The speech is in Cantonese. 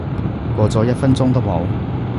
過咗一分鐘都冇